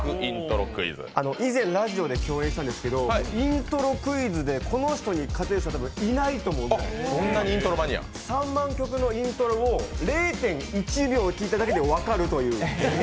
以前、ラジオで共演したんですけどイントロクイズでこの人に勝てる人はいないというぐらい、３万曲のイントロを０．１秒聴いただけで分かるという。